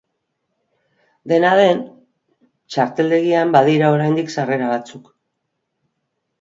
Dena den, txarteldegian badira oraindik sarrera batzuk.